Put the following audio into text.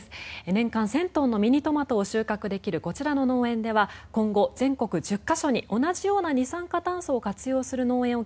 年間１０００トンのミニトマトを収穫できるこちらの農園では今後、全国１０か所に同じような二酸化炭素を活用する農園を